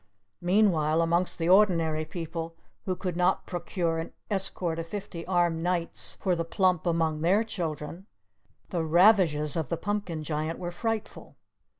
Meanwhile amongst the ordinary people who could not procure an escort of fifty armed knights for the plump among their children, the ravages of the Pumpkin Giant were frightful.